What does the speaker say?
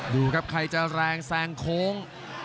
ดูครับใครจะแรงแซงโค้ง